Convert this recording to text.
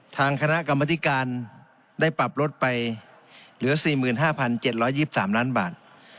ทางคณะกรรมธิการได้ปรับลดไปเหลือ๔๕๗๒๓ล้านบาท